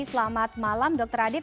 selamat malam dr adib